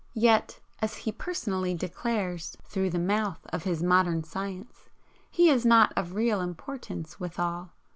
Yet, as he personally declares, through the mouth of his modern science, he is not of real importance withal.